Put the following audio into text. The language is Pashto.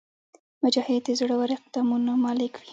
مجاهد د زړور اقدامونو مالک وي.